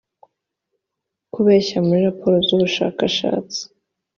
kubeshya muri raporo z ubushakashatsi